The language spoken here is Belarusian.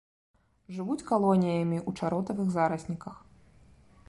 Жывуць калоніямі ў чаротавых зарасніках.